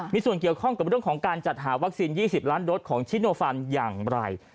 มีส่วนเกี่ยวข้องกับเรื่องของการจัดหาวัคซีน๒๐ล้านโดสของชิโนฟันอย่างไร